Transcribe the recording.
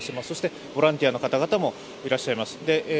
そしてボランティアの方々もいらっしゃいます。